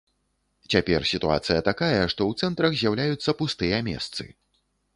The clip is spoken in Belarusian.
Цяпер сітуацыя такая, што ў цэнтрах з'яўляюцца пустыя месцы.